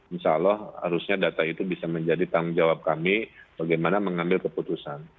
insya allah harusnya data itu bisa menjadi tanggung jawab kami bagaimana mengambil keputusan